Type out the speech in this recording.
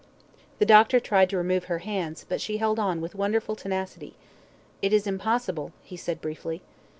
The doctor tried to remove her hands, but she held on with wonderful tenacity. "It is impossible," he said briefly.